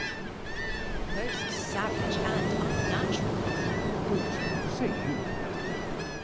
Edm. Most savage and unnatural! Glou. Go to; say you nothing.